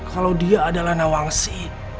kalau dia adalah nawangsi